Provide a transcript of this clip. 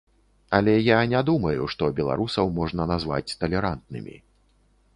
Але я не думаю, што беларусаў можна назваць талерантнымі.